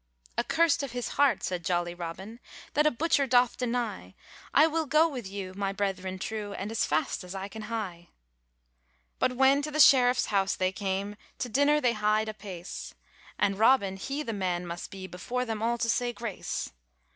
'Accurst of his heart,' said jolly Robin, 'That a butcher doth deny; I will go with you my brethren true, And as fast as I can hie.' But when to the sheriffs house they came, To dinner they hied apace, And Robin he the man must be Before them all to say grace.